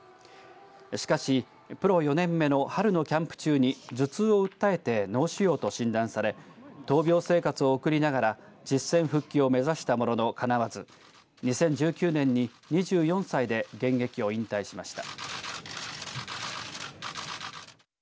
しかしプロ４年目の春のキャンプ中に頭痛を訴えて脳腫瘍と診断され闘病生活を送りながら実戦復帰を目指したもののかなわず２０１９年に２４歳で現役を引退しました。